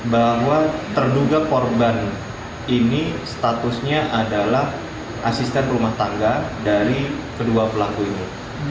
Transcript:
bahwa terduga korban ini statusnya adalah asisten rumah tangga dari kedua pelaku ini